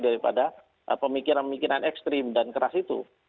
daripada pemikiran pemikiran ekstrim dan keras itu